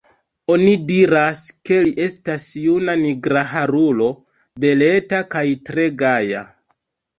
Oni diras, ke li estas juna nigraharulo, beleta kaj tre gaja.